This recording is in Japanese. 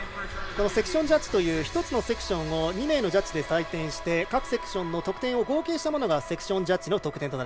このセクションジャッジという１つのセクションを２名のジャッジで担当してセクションのジャッジを合計したものがセクションジャッジの得点。